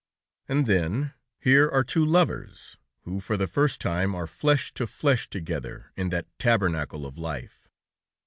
"And then, here are two lovers, who for the first time are flesh to flesh together in that tabernacle of life.